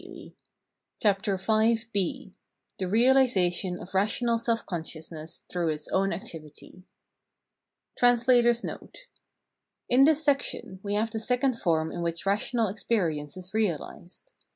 —Z B The Realisation of Eational Self Consciousness Through Its Own Activity [In this section we have the second form in which rational experience is realised.